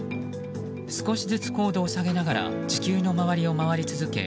少しずつ高度を下げながら地球の周りを回り続け